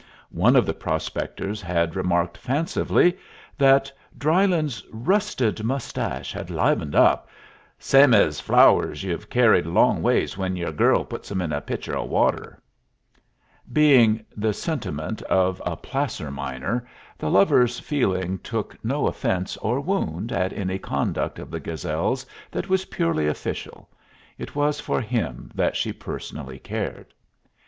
One of the prospectors had remarked fancifully that Drylyn's "rusted mustache had livened up; same ez flow'rs ye've kerried a long ways when yer girl puts 'em in a pitcher o' water." Being the sentiment of a placer miner, the lover's feeling took no offence or wound at any conduct of the Gazelle's that was purely official; it was for him that she personally cared.